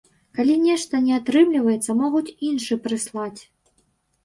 Калі нешта не атрымліваецца, могуць іншы прыслаць.